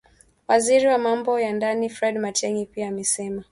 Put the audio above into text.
Waziri wa Mambo ya Ndani Fred Matiang’i pia amesema